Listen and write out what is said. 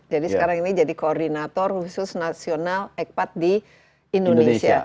jadi sekarang ini jadi koordinator khusus nasional ecpat di indonesia